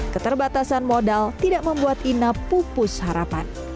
keterbatasan modal tidak membuat ina pupus harapan